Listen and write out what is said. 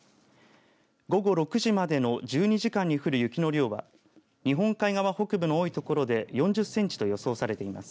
午後６時までの１２時間に降る雪の量は日本海側北部の多い所で４０センチと予想されています。